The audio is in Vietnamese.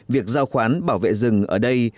việc giao khoán bảo vệ rừng ở đây